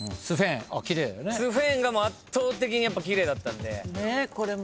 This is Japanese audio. スフェーンが圧倒的に奇麗だったんで。